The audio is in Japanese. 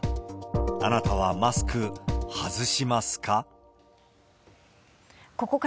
あなたはマスク、外しますか？